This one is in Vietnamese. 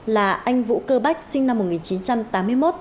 là anh vũ cơ bách sinh năm một nghìn chín trăm tám mươi một